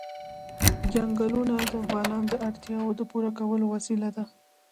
چنګلونه د افغانانو د اړتیاوو د پوره کولو وسیله ده.